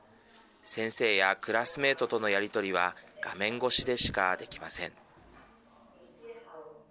先生やクラスメートとのやり取りは画面越しでしかできません。